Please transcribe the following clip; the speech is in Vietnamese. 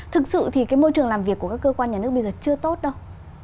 thực sự thì cái môi trường làm việc của các cơ quan nhà nước bây giờ chưa tốt đâu